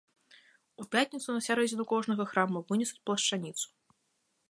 У пятніцу на сярэдзіну кожнага храму вынесуць плашчаніцу.